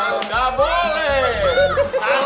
udah matah kan